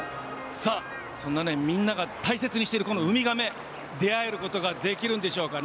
そんな、みんなが大切しているウミガメ出会えることができるんでしょうか。